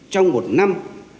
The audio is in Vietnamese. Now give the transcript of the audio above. trong một năm